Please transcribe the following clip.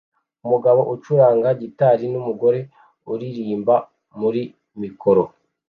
Umugabo ucuranga gitari numugore uririmba muri mikoro